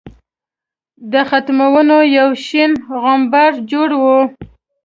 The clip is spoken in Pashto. د ختمونو یو شین غومبر جوړ وو.